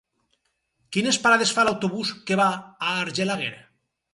Quines parades fa l'autobús que va a Argelaguer?